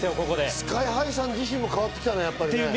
ＳＫＹ−ＨＩさん自身も変わってきたね。